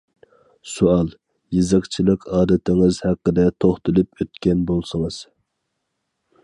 سوئال: يېزىقچىلىق ئادىتىڭىز ھەققىدە توختىلىپ ئۆتكەن بولسىڭىز.